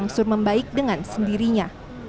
langsung membaik dengan sendirinya